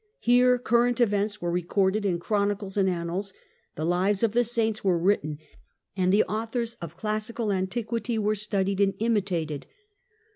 Here current events were recorded in chronicles and annals, the lives of the saints were written, and the authors of classical antiquity were studied and imitated.